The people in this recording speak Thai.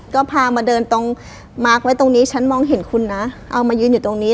ก็พามาเดินตรงมาร์คไว้ตรงนี้ฉันมองเห็นคุณนะเอามายืนอยู่ตรงนี้